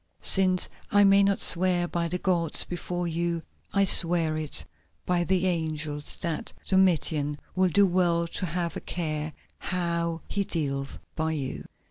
Since I may not swear by the gods before you, I swear it by the Eagles that Domitian will do well to have a care how he deals by you.